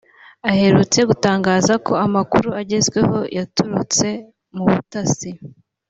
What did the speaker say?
aherutse gutangaza ko amakuru agezwaho yaturutse mu butasi